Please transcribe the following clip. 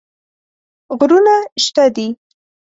غرونه شته دي.